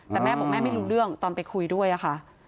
แต่แม่บอกแม่ไม่รู้เรื่องตอนไปคุยด้วยค่ะ